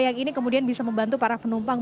yang ini kemudian bisa membantu para penumpang